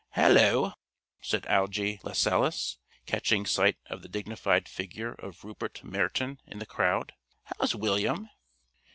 "Hallo," said Algy Lascelles, catching sight of the dignified figure of Rupert Meryton in the crowd; "how's William?"